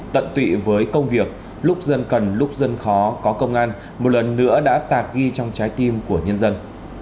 tận tụy với công việc lúc dân cần lúc dân khó có công an một lần nữa đã tạc ghi trong trái tim của nhân dân